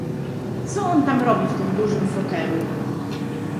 "Co on tam robi w tym dużym fotelu."